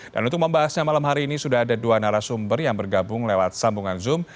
dan untuk membahasnya malam hari ini sudah ada dua narasumber yang bergabung lewat sambungan zoom